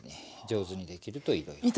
上手にできるといろいろ。